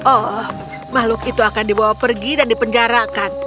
oh makhluk itu akan dibawa pergi dan dipenjarakan